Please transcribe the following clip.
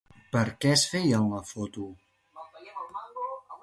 Per què es feien la foto?